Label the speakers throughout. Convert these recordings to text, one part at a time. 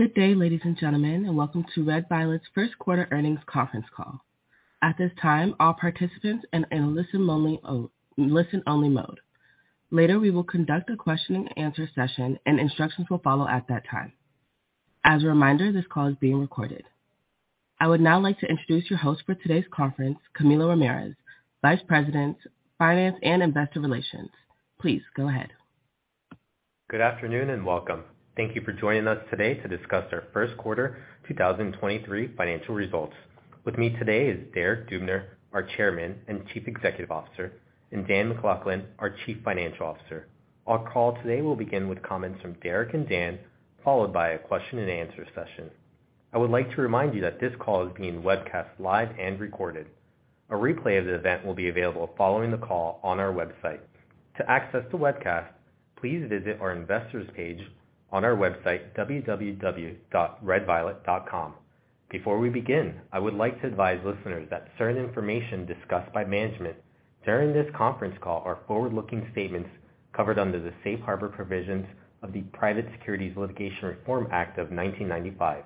Speaker 1: Good day, ladies and gentlemen, welcome to Red Violet's Q1 earnings conference call. At this time, all participants and in listen-only mode. Later, we will conduct a Q&A session and instructions will follow at that time. As a reminder, this call is being recorded. I would now like to introduce your host for today's conference, Camilo Ramirez, Vice President, Finance and Investor Relations. Please go ahead.
Speaker 2: Good afternoon and welcome. Thank you for joining us today to discuss our Q1 2023 financial results. With me today is Derek Dubner, our Chairman and Chief Executive Officer, and Dan MacLachlan, our Chief Financial Officer. Our call today will begin with comments from Derek and Dan, followed by a Q&A session. I would like to remind you that this call is being webcast live and recorded. A replay of the event will be available following the call on our website. To access the webcast, please visit our investors page on our website, www.redviolet.com. Before we begin, I would like to advise listeners that certain information discussed by management during this conference call are forward-looking statements covered under the safe harbor provisions of the Private Securities Litigation Reform Act of 1995.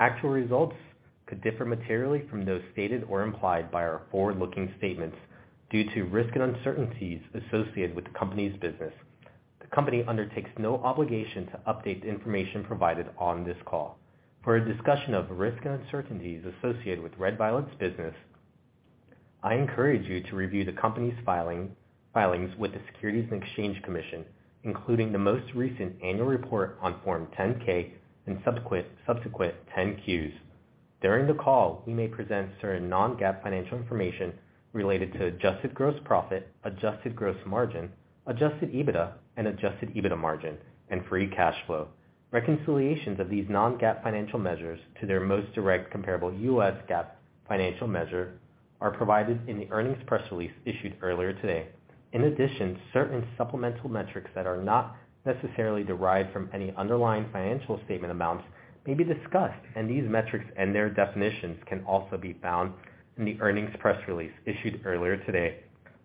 Speaker 2: Actual results could differ materially from those stated or implied by our forward-looking statements due to risks and uncertainties associated with the company's business. The company undertakes no obligation to update the information provided on this call. For a discussion of risks and uncertainties associated with Red Violet's business, I encourage you to review the company's filings with the Securities and Exchange Commission, including the most recent annual report on Form 10-K and subsequent 10-Qs. During the call, we may present certain non-GAAP financial information related to Adjusted Gross Profit, Adjusted Gross Margin, Adjusted EBITDA, and Adjusted EBITDA Margin and Free Cash Flow. Reconciliations of these non-GAAP financial measures to their most direct comparable U.S. GAAP financial measure are provided in the earnings press release issued earlier today. In addition, certain supplemental metrics that are not necessarily derived from any underlying financial statement amounts may be discussed, and these metrics and their definitions can also be found in the earnings press release issued earlier today.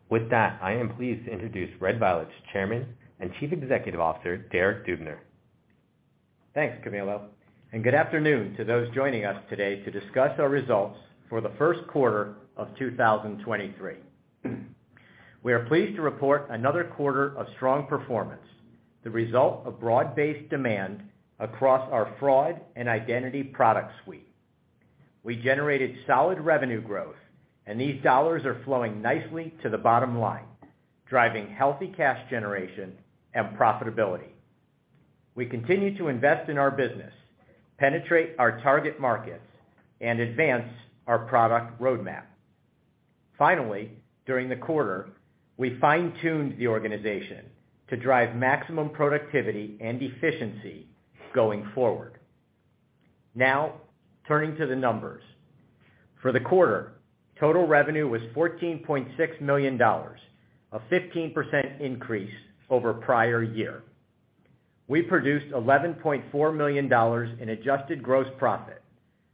Speaker 2: With that, I am pleased to introduce Red Violet's Chairman and Chief Executive Officer, Derek Dubner.
Speaker 3: Thanks, Camilo, good afternoon to those joining us today to discuss our results for the Q1 of 2023. We are pleased to report another quarter of strong performance, the result of broad-based demand across our fraud and identity product suite. We generated solid revenue growth, these dollars are flowing nicely to the bottom line, driving healthy cash generation and profitability. We continue to invest in our business, penetrate our target markets, and advance our product roadmap. Finally, during the quarter, we fine-tuned the organization to drive maximum productivity and efficiency going forward. Now, turning to the numbers. For the quarter, total revenue was $14.6 million, a 15% increase over prior year. We produced $11.4 million in Adjusted Gross Profit,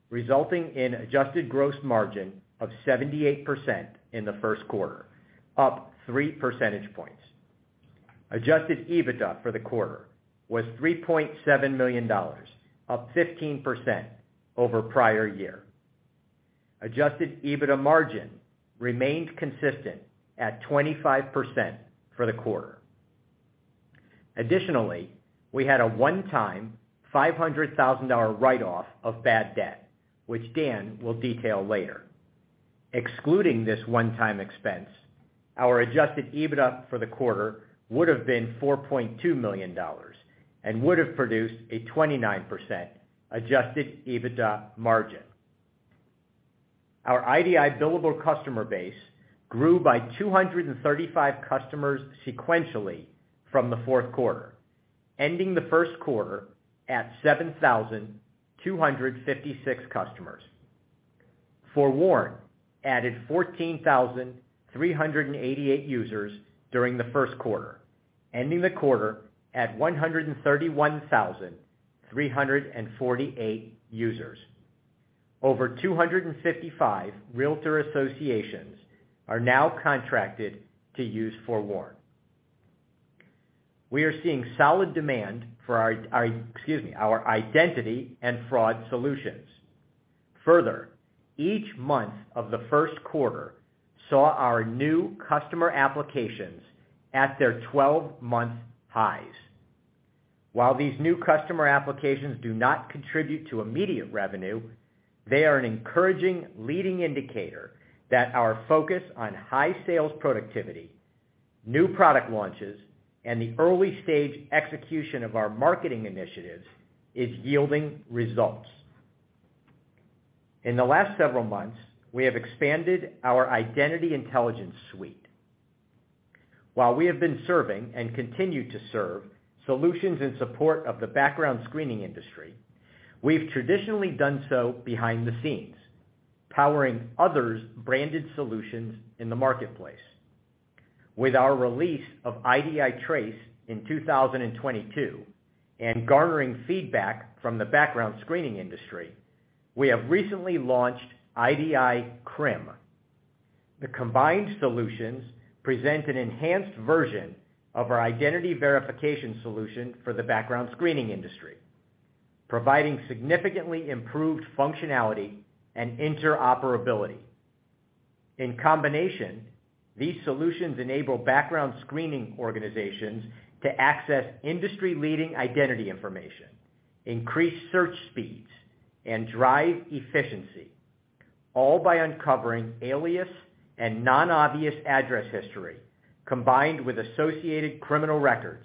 Speaker 3: resulting in Adjusted Gross Margin of 78% in the Q1, up 3 percentage points. Adjusted EBITDA for the quarter was $3.7 million, up 15% over prior year. Adjusted EBITDA margin remained consistent at 25% for the quarter. Additionally, we had a one-time $500,000 write-off of bad debt, which Dan will detail later. Excluding this one-time expense, our Adjusted EBITDA for the quarter would have been $4.2 million and would have produced a 29% Adjusted EBITDA margin. Our IDI billable customer base grew by 235 customers sequentially from the Q4, ending the Q1 at 7,256 customers. FOREWARN added 14,388 users during the Q1, ending the quarter at 131,348 users. Over 255 Realtor associations are now contracted to use FOREWARN. We are seeing solid demand for our identity and fraud solutions. Further, each month of the Q1 saw our new customer applications at their 12-month highs. While these new customer applications do not contribute to immediate revenue, they are an encouraging leading indicator that our focus on high sales productivity, new product launches, and the early stage execution of our marketing initiatives is yielding results. In the last several months, we have expanded our identity intelligence suite. While we have been serving and continue to serve solutions in support of the background screening industry, we've traditionally done so behind the scenes, powering others' branded solutions in the marketplace. With our release of idiTRACE in 2022 and garnering feedback from the background screening industry, we have recently launched idiCRIM. The combined solutions present an enhanced version of our identity verification solution for the background screening industry, providing significantly improved functionality and interoperability. In combination, these solutions enable background screening organizations to access industry-leading identity information, increase search speeds, and drive efficiency, all by uncovering alias and non-obvious address history combined with associated criminal records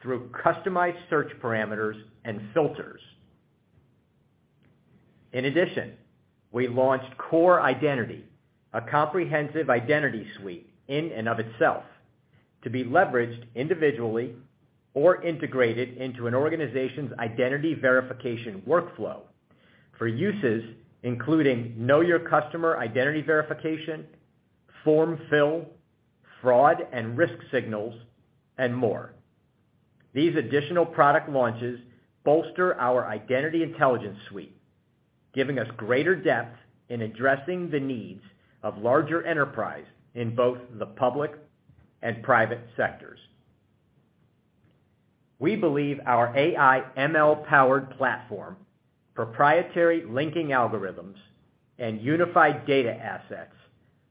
Speaker 3: through customized search parameters and filters. In addition, we launched coreIDENTITY, a comprehensive identity suite in and of itself to be leveraged individually or integrated into an organization's identity verification workflow for uses including Know Your Customer identity verification, form fill, fraud and risk signals, and more. These additional product launches bolster our identity intelligence suite, giving us greater depth in addressing the needs of larger enterprise in both the public and private sectors. We believe our AI ML-powered platform, proprietary linking algorithms, and unified data assets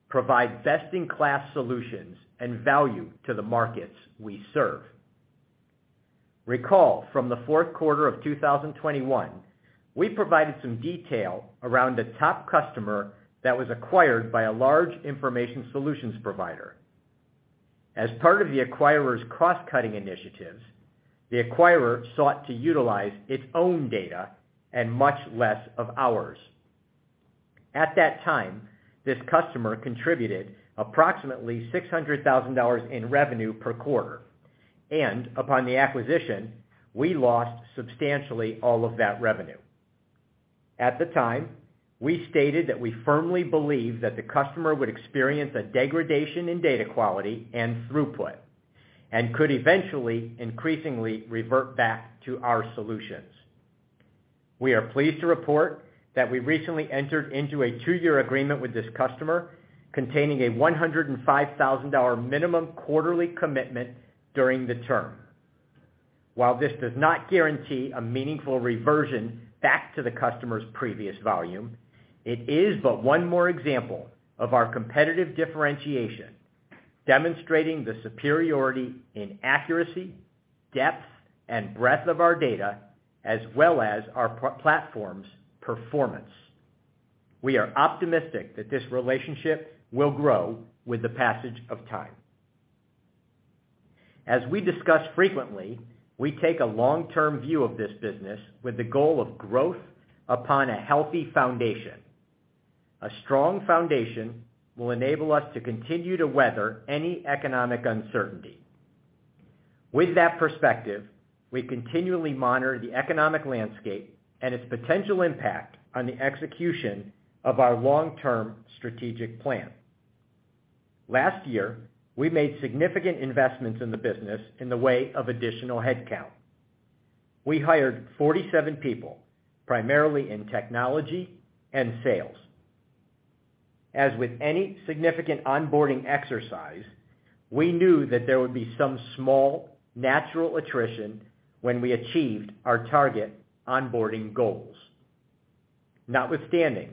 Speaker 3: provide best-in-class solutions and value to the markets we serve. Recall from the Q4 of 2021, we provided some detail around a top customer that was acquired by a large information solutions provider. As part of the acquirer's cross-cutting initiatives, the acquirer sought to utilize its own data and much less of ours. At that time, this customer contributed approximately $600,000 in revenue per quarter, and upon the acquisition, we lost substantially all of that revenue. At the time, we stated that we firmly believe that the customer would experience a degradation in data quality and throughput and could eventually increasingly revert back to our solutions. We are pleased to report that we recently entered into a two-year agreement with this customer containing a $105,000 minimum quarterly commitment during the term. While this does not guarantee a meaningful reversion back to the customer's previous volume, it is but one more example of our competitive differentiation, demonstrating the superiority in accuracy, depth, and breadth of our data, as well as our platform's performance. We are optimistic that this relationship will grow with the passage of time. As we discuss frequently, we take a long-term view of this business with the goal of growth upon a healthy foundation. A strong foundation will enable us to continue to weather any economic uncertainty. With that perspective, we continually monitor the economic landscape and its potential impact on the execution of our long-term strategic plan. Last year, we made significant investments in the business in the way of additional headcount. We hired 47 people, primarily in technology and sales. As with any significant onboarding exercise, we knew that there would be some small natural attrition when we achieved our target onboarding goals. Notwithstanding,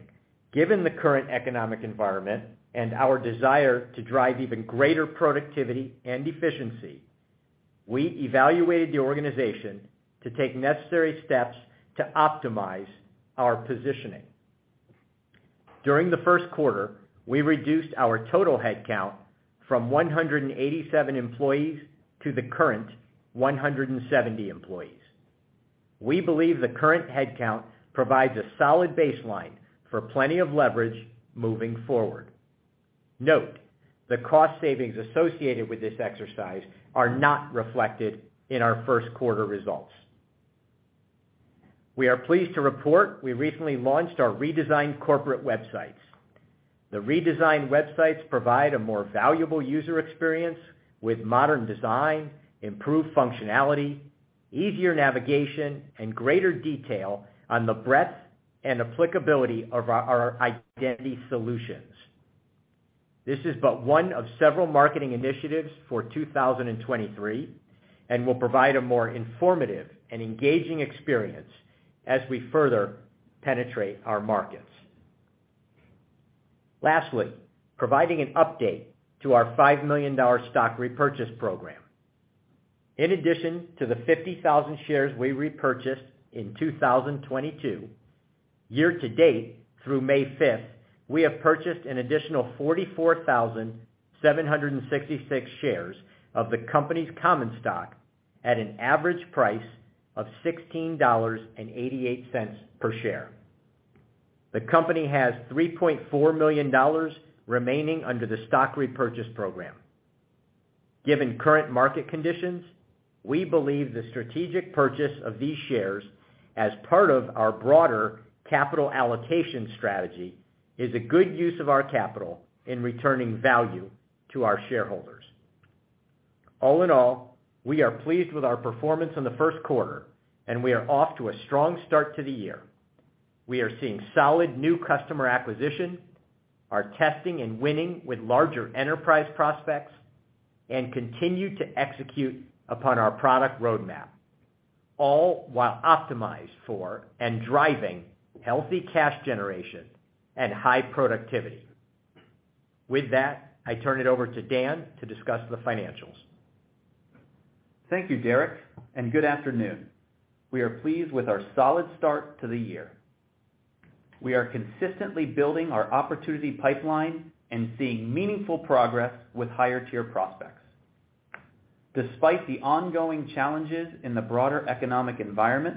Speaker 3: given the current economic environment and our desire to drive even greater productivity and efficiency, we evaluated the organization to take necessary steps to optimize our positioning. During the Q1, we reduced our total headcount from 187 employees to the current 170 employees. We believe the current headcount provides a solid baseline for plenty of leverage moving forward. Note, the cost savings associated with this exercise are not reflected in our Q1 results. We are pleased to report we recently launched our redesigned corporate websites. The redesigned websites provide a more valuable user experience with modern design, improved functionality, easier navigation, and greater detail on the breadth and applicability of our identity solutions. This is but one of several marketing initiatives for 2023 and will provide a more informative and engaging experience as we further penetrate our markets. Lastly, providing an update to our $5 million stock repurchase program. In addition to the 50,000 shares we repurchased in 2022, year to date through May 5th, we have purchased an additional 44,766 shares of the company's common stock at an average price of $16.88 per share. The company has $3.4 million remaining under the stock repurchase program. Given current market conditions, we believe the strategic purchase of these shares as part of our broader capital allocation strategy is a good use of our capital in returning value to our shareholders. All in all, we are pleased with our performance in the Q1, and we are off to a strong start to the year. We are seeing solid new customer acquisition, are testing and winning with larger enterprise prospects, and continue to execute upon our product roadmap, all while optimized for and driving healthy cash generation and high productivity. With that, I turn it over to Dan to discuss the financials.
Speaker 4: Thank you, Derek. Good afternoon. We are pleased with our solid start to the year. We are consistently building our opportunity pipeline and seeing meaningful progress with higher-tier prospects. Despite the ongoing challenges in the broader economic environment,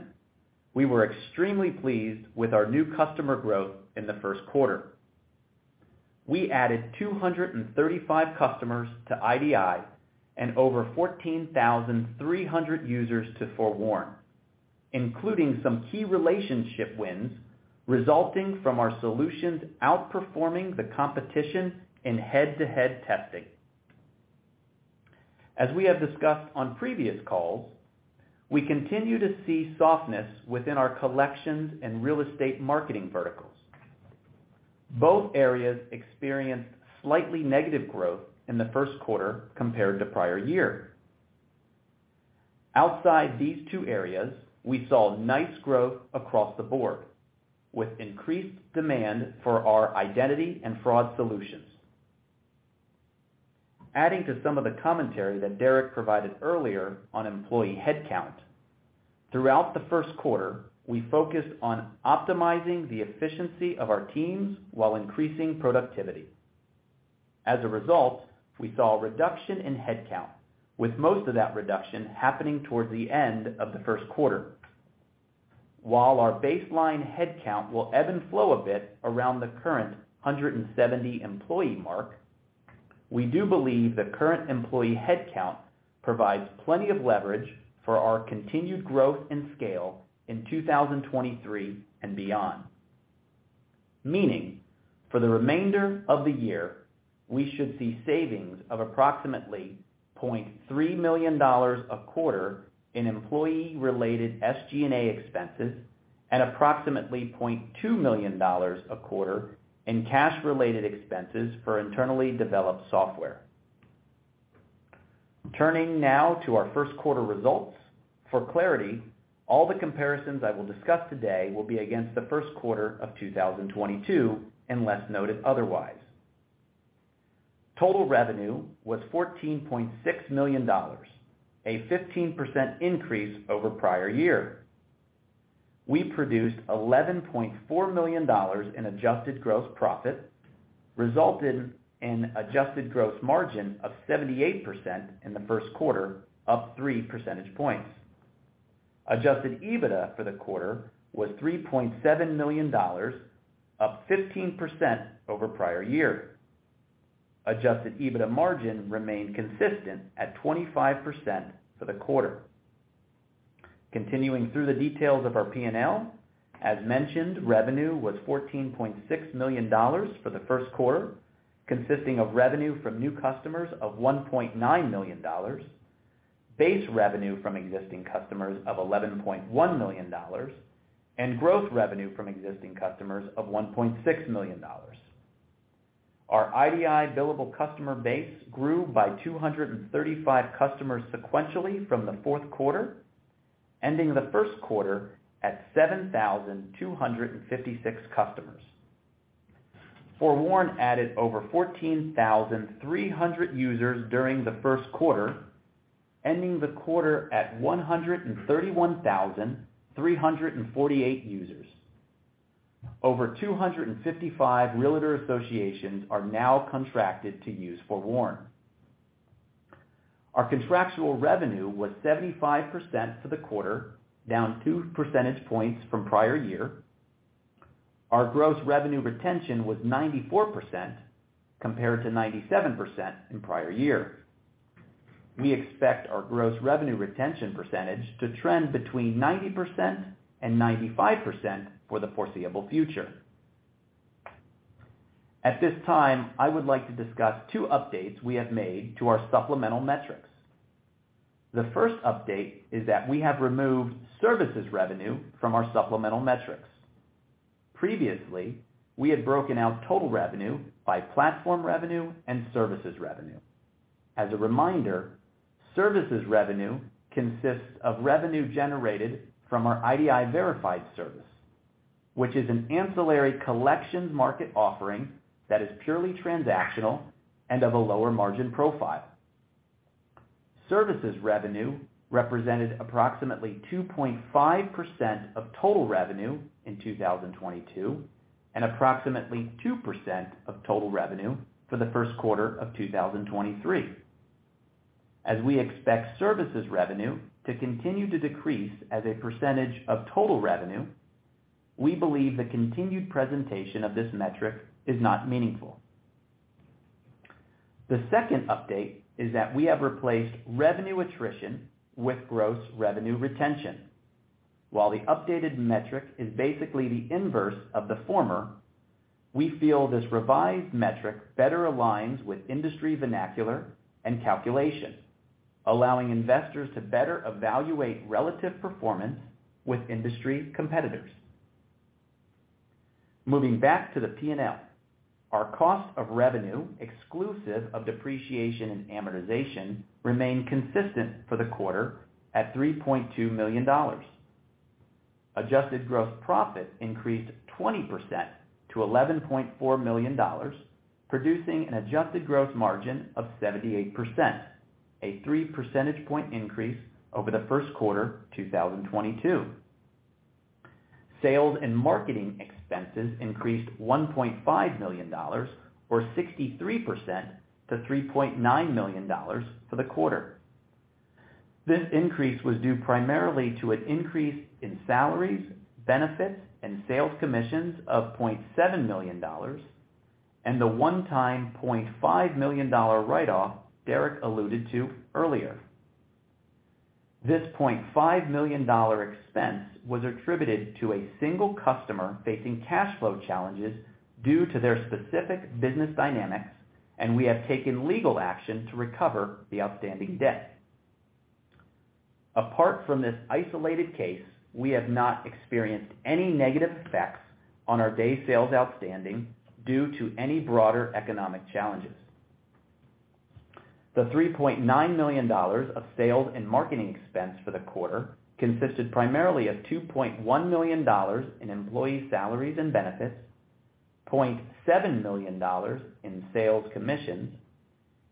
Speaker 4: we were extremely pleased with our new customer growth in the Q1. We added 235 customers to IDI and over 14,300 users to FOREWARN, including some key relationship wins resulting from our solutions outperforming the competition in head-to-head testing. As we have discussed on previous calls, we continue to see softness within our collections and real estate marketing verticals. Both areas experienced slightly negative growth in the Q1 compared to prior year. Outside these two areas, we saw nice growth across the board, with increased demand for our identity and fraud solutions. Adding to some of the commentary that Derek provided earlier on employee headcount, throughout the Q1, we focused on optimizing the efficiency of our teams while increasing productivity. As a result, we saw a reduction in headcount, with most of that reduction happening towards the end of the Q1. While our baseline headcount will ebb and flow a bit around the current 170 employee mark, we do believe the current employee headcount provides plenty of leverage for our continued growth and scale in 2023 and beyond. Meaning, for the remainder of the year, we should see savings of approximately $0.3 million a quarter in employee-related SG&A expenses and approximately $0.2 million a quarter in cash-related expenses for internally developed software. Turning now to our Q1 results. For clarity, all the comparisons I will discuss today will be against the Q1 of 2022 unless noted otherwise. Total revenue was $14.6 million, a 15% increase over prior year. We produced $11.4 million in Adjusted Gross Profit, resulted in Adjusted Gross Margin of 78% in the Q1, up 3 percentage points. Adjusted EBITDA for the quarter was $3.7 million, up 15% over prior year. Adjusted EBITDA Margin remained consistent at 25% for the quarter. Continuing through the details of our P&L, as mentioned, revenue was $14.6 million for the Q1, consisting of revenue from new customers of $1.9 million, base revenue from existing customers of $11.1 million, and growth revenue from existing customers of $1.6 million. Our IDI billable customer base grew by 235 customers sequentially from the Q4, ending the Q1 at 7,256 customers. FOREWARN added over 14,300 users during the Q1, ending the quarter at 131,348 users. Over 255 realtor associations are now contracted to use FOREWARN. Our contractual revenue was 75% for the quarter, down 2 percentage points from prior year. Our gross revenue retention was 94% compared to 97% in prior year. We expect our gross revenue retention percentage to trend between 90% and 95% for the foreseeable future. At this time, I would like to discuss two updates we have made to our supplemental metrics. The first update is that we have removed services revenue from our supplemental metrics. Previously, we had broken out total revenue by platform revenue and services revenue. As a reminder, services revenue consists of revenue generated from our IDI Verified service, which is an ancillary collections market offering that is purely transactional and of a lower margin profile. Services revenue represented approximately 2.5% of total revenue in 2022 and approximately 2% of total revenue for the Q1 of 2023. We expect services revenue to continue to decrease as a percentage of total revenue, we believe the continued presentation of this metric is not meaningful. The second update is that we have replaced revenue attrition with gross revenue retention. The updated metric is basically the inverse of the former, we feel this revised metric better aligns with industry vernacular and calculation, allowing investors to better evaluate relative performance with industry competitors. Moving back to the P&L. Our cost of revenue exclusive of depreciation and amortization remained consistent for the quarter at $3.2 million. Adjusted Gross Profit increased 20% to $11.4 million, producing an Adjusted Gross Margin of 78%, a 3 percentage point increase over the Q1 2022. Sales and marketing expenses increased $1.5 million or 63% to $3.9 million for the quarter. This increase was due primarily to an increase in salaries, benefits and sales commissions of $0.7 million and the one-time $0.5 million write-off Derek alluded to earlier. This $0.5 million expense was attributed to a single customer facing cash flow challenges due to their specific business dynamics, and we have taken legal action to recover the outstanding debt. Apart from this isolated case, we have not experienced any negative effects on our days sales outstanding due to any broader economic challenges. The $3.9 million of sales and marketing expense for the quarter consisted primarily of $2.1 million in employee salaries and benefits, $0.7 million in sales commissions,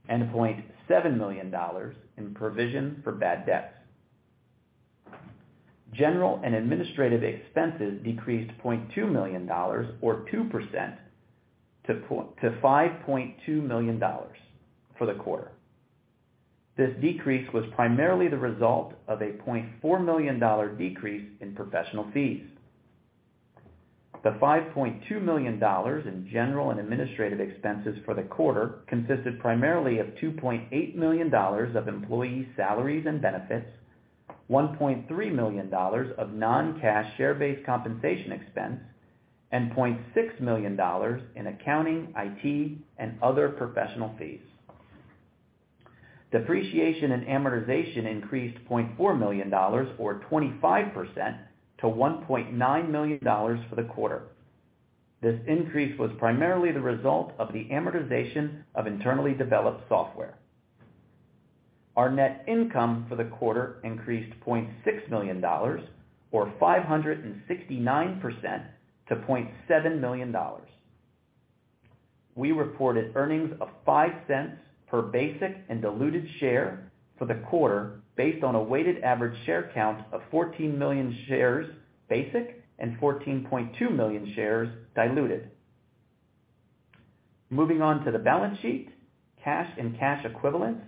Speaker 4: and $0.7 million in provision for bad debts. General and administrative expenses decreased $0.2 million or 2% to $5.2 million for the quarter. This decrease was primarily the result of a $0.4 million decrease in professional fees. The $5.2 million in general and administrative expenses for the quarter consisted primarily of $2.8 million of employee salaries and benefits, $1.3 million of non-cash share-based compensation expense, and $0.6 million in accounting, IT, and other professional fees. Depreciation and amortization increased $0.4 million or 25% to $1.9 million for the quarter. This increase was primarily the result of the amortization of internally developed software. Our net income for the quarter increased $0.6 million or 569% to $0.7 million. We reported earnings of $0.05 per basic and diluted share for the quarter based on a weighted average share count of 14 million shares basic and 14.2 million shares diluted. Moving on to the balance sheet. Cash and cash equivalents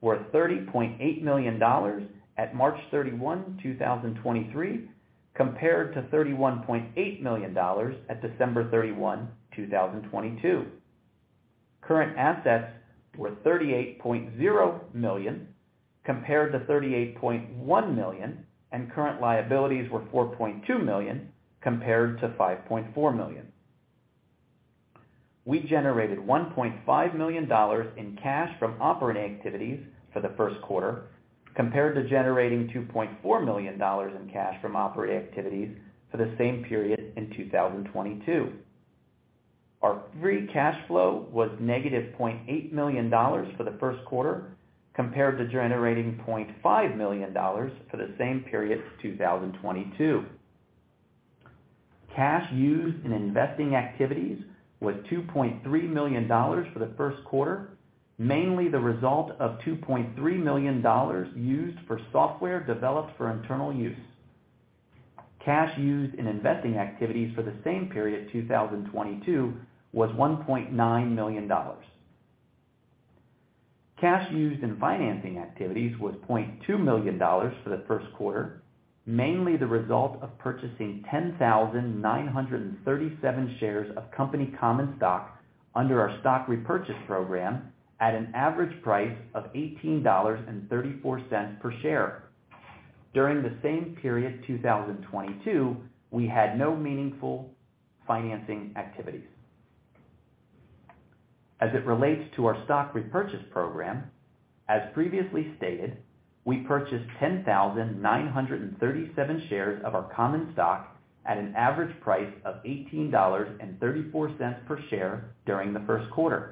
Speaker 4: were $30.8 million at March 31, 2023, compared to $31.8 million at December 31, 2022. Current assets were $38.0 million compared to $38.1 million, and current liabilities were $4.2 million compared to $5.4 million. We generated $1.5 million in cash from operating activities for the Q1 compared to generating $2.4 million in cash from operating activities for the same period in 2022. Our Free Cash Flow was -$0.8 million for the Q1 compared to generating $0.5 million for the same period 2022. Cash used in investing activities was $2.3 million for the Q1, mainly the result of $2.3 million used for software developed for internal use. Cash used in investing activities for the same period 2022 was $1.9 million. Cash used in financing activities was $0.2 million for the Q1, mainly the result of purchasing 10,937 shares of company common stock under our stock repurchase program at an average price of $18.34 per share. During the same period 2022, we had no meaningful financing activities. As it relates to our stock repurchase program, as previously stated, we purchased 10,937 shares of our common stock at an average price of $18.34 per share during the Q1.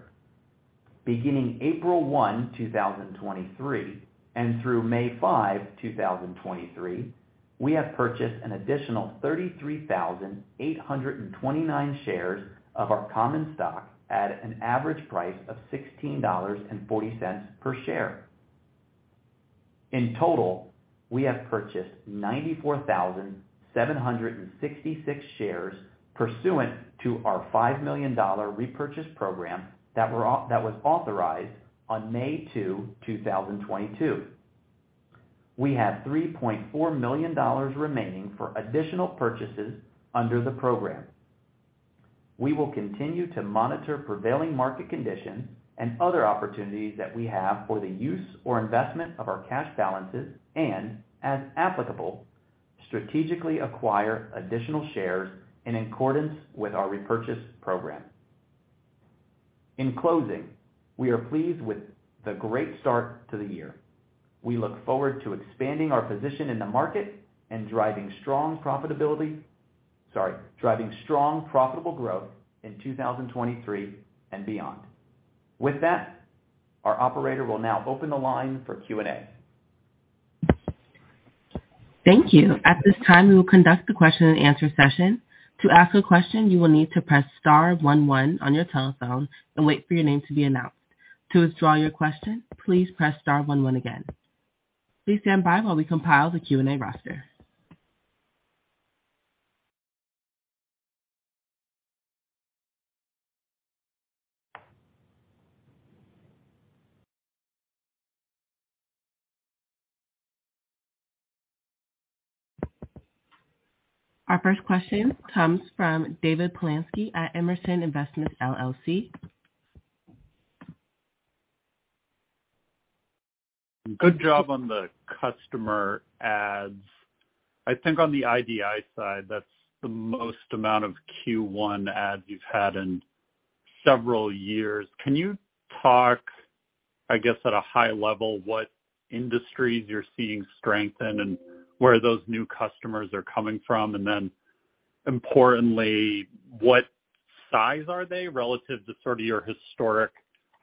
Speaker 4: Beginning April 1, 2023, through May 5, 2023, we have purchased an additional 33,829 shares of our common stock at an average price of $16.40 per share. In total, we have purchased 94,766 shares pursuant to our $5 million repurchase program that was authorized on May 2, 2022. We have $3.4 million remaining for additional purchases under the program. We will continue to monitor prevailing market conditions and other opportunities that we have for the use or investment of our cash balances, as applicable, strategically acquire additional shares in accordance with our repurchase program. In closing, we are pleased with the great start to the year. We look forward to expanding our position in the market and driving strong profitable growth in 2023 and beyond. With that, our operator will now open the line for Q&A.
Speaker 1: Thank you. At this time, we will conduct the Q&A session. To ask a question, you will need to press star one one on your telephone and wait for your name to be announced. To withdraw your question, please press star one one again. Please stand by while we compile the Q&A roster. Our first question comes from David Polansky at Immersion Investments LLC.
Speaker 5: Good job on the customer adds. I think on the IDI side, that's the most amount of Q1 adds you've had in several years. Can you talk, I guess, at a high level, what industries you're seeing strengthen and where those new customers are coming from? Importantly, what size are they relative to sort of your historic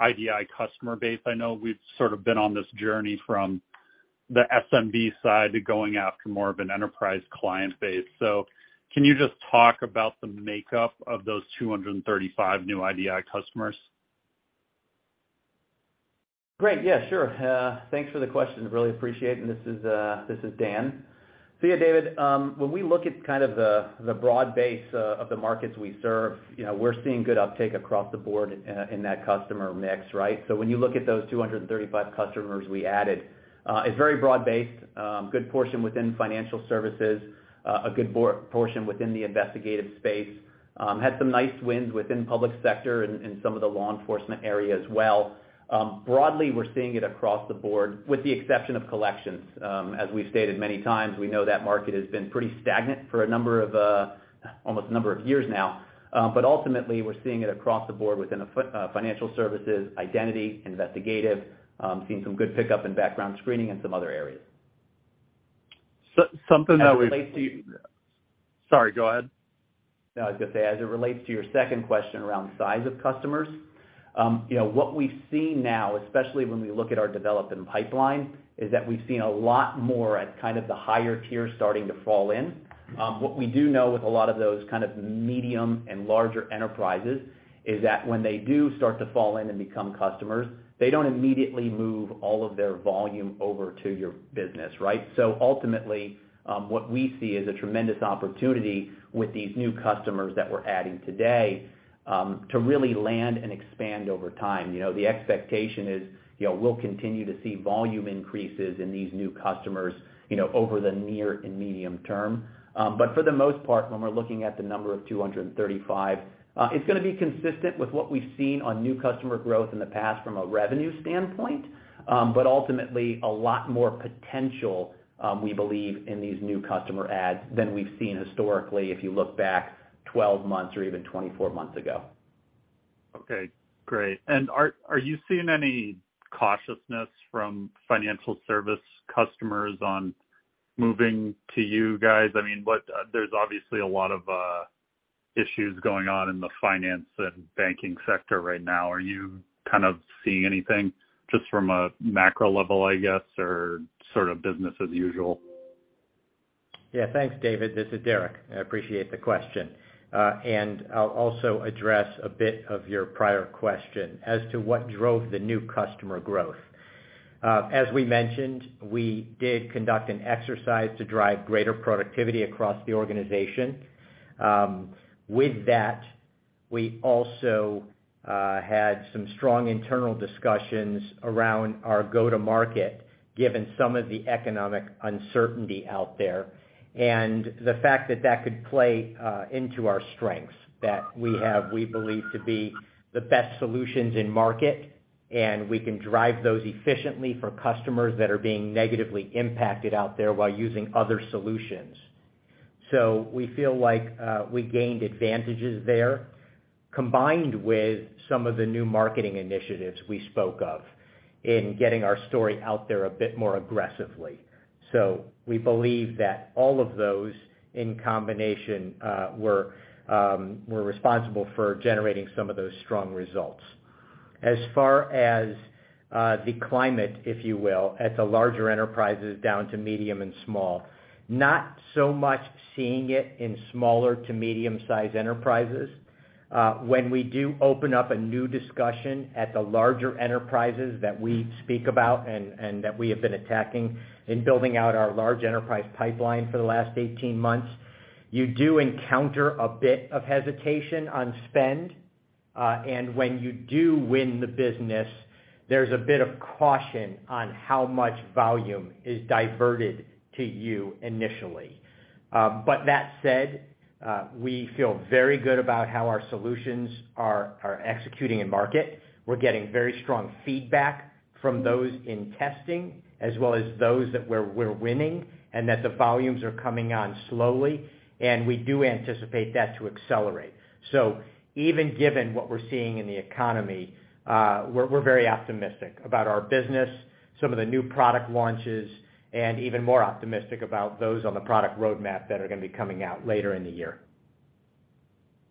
Speaker 5: IDI customer base? I know we've sort of been on this journey from the SMB side to going after more of an enterprise client base. Can you just talk about the makeup of those 235 new IDI customers?
Speaker 4: Great. Yeah, sure. Thanks for the question. Really appreciate it. This is, this is Dan. Yeah, David, when we look at kind of the broad base of the markets we serve, you know, we're seeing good uptake across the board in that customer mix, right? So when you look at those 235 customers we added, it's very broad-based, good portion within financial services, a good portion within the investigative space, had some nice wins within public sector and in some of the law enforcement areas as well. Broadly, we're seeing it across the board, with the exception of collections. As we've stated many times, we know that market has been pretty stagnant for a number of, almost a number of years now. Ultimately, we're seeing it across the board within financial services, identity, investigative, seeing some good pickup in background screening and some other areas.
Speaker 5: Something that we've seen—
Speaker 4: As it relates to—
Speaker 5: Sorry, go ahead.
Speaker 4: No, I was gonna say, as it relates to your second question around size of customers, you know, what we've seen now, especially when we look at our development pipeline, is that we've seen a lot more at kind of the higher tier starting to fall in. What we do know with a lot of those kind of medium and larger enterprises is that when they do start to fall in and become customers, they don't immediately move all of their volume over to your business, right? Ultimately, what we see is a tremendous opportunity with these new customers that we're adding today, to really land and expand over time. You know, the expectation is, you know, we'll continue to see volume increases in these new customers, you know, over the near and medium term. For the most part, when we're looking at the number of 235, it's gonna be consistent with what we've seen on new customer growth in the past from a revenue standpoint, but ultimately a lot more potential, we believe in these new customer adds than we've seen historically if you look back 12 months or even 24 months ago.
Speaker 5: Okay, great. Are you seeing any cautiousness from financial service customers on moving to you guys? I mean, but, there's obviously a lot of issues going on in the finance and banking sector right now. Are you kind of seeing anything just from a macro level, I guess? Or sort of business as usual?
Speaker 4: Yeah. Thanks, David. This is Derek. I appreciate the question. I'll also address a bit of your prior question as to what drove the new customer growth. As we mentioned, we did conduct an exercise to drive greater productivity across the organization. With that, we also had some strong internal discussions around our go-to-market, given some of the economic uncertainty out there. The fact that that could play into our strengths, that we have, we believe to be the best solutions in market, and we can drive those efficiently for customers that are being negatively impacted out there while using other solutions. We feel like we gained advantages there, combined with some of the new marketing initiatives we spoke of in getting our story out there a bit more aggressively. We believe that all of those in combination were responsible for generating some of those strong results. As far as the climate, if you will, at the larger enterprises down to medium and small, not so much seeing it in smaller to medium-sized enterprises. When we do open up a new discussion at the larger enterprises that we speak about and that we have been attacking in building out our large enterprise pipeline for the last 18 months, you do encounter a bit of hesitation on spend
Speaker 3: When you do win the business, there's a bit of caution on how much volume is diverted to you initially. That said, we feel very good about how our solutions are executing in market. We're getting very strong feedback from those in testing as well as those that we're winning, and that the volumes are coming on slowly, and we do anticipate that to accelerate. Even given what we're seeing in the economy, we're very optimistic about our business, some of the new product launches, and even more optimistic about those on the product roadmap that are going to be coming out later in the year.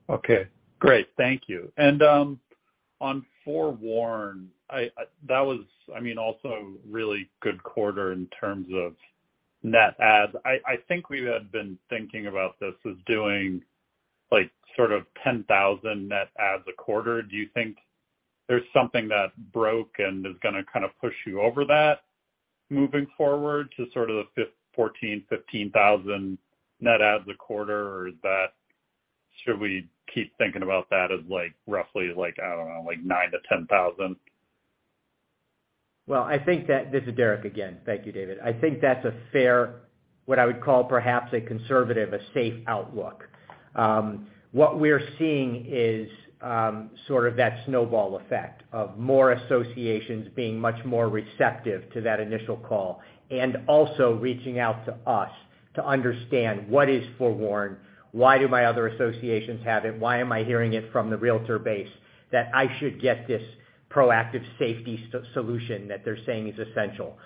Speaker 5: Okay. Great. Thank you. On FOREWARN, that was, I mean, also really good quarter in terms of net adds. I think we had been thinking about this as doing like sort of 10,000 net adds a quarter. Do you think there's something that broke and is gonna kinda push you over that moving forward to sort of the 14,000-15,000 net adds a quarter, or is that should we keep thinking about that as like roughly like, I don't know, like 9,000-10,000?
Speaker 3: I think that—this is Derek again. Thank you, David. I think that's a fair, what I would call perhaps a conservative, a safe outlook. What we're seeing is, sort of that snowball effect of more associations being much more receptive to that initial call and also reaching out to us to understand what is FOREWARN, why do my other associations have it, why am I hearing it from the realtor base that I should get this proactive safety solution that they're saying is essential.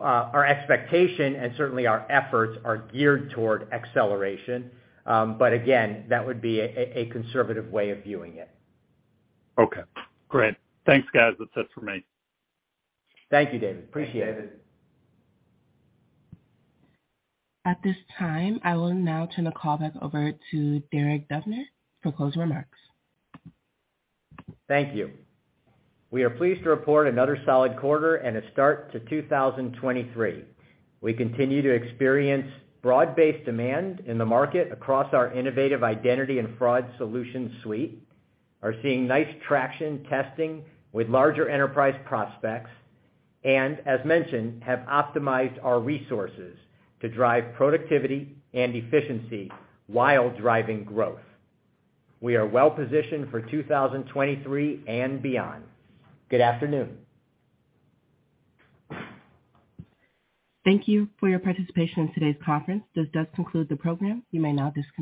Speaker 3: Our expectation and certainly our efforts are geared toward acceleration. Again, that would be a conservative way of viewing it.
Speaker 5: Okay. Great. Thanks, guys. That's it for me.
Speaker 3: Thank you, David. Appreciate it. Thanks, David.
Speaker 1: At this time, I will now turn the call back over to Derek Dubner for closing remarks.
Speaker 3: Thank you. We are pleased to report another solid quarter and a start to 2023. We continue to experience broad-based demand in the market across our innovative identity and fraud solution suite, are seeing nice traction testing with larger enterprise prospects, and, as mentioned, have optimized our resources to drive productivity and efficiency while driving growth. We are well-positioned for 2023 and beyond. Good afternoon.
Speaker 1: Thank you for your participation in today's conference. This does conclude the program. You may now disconnect.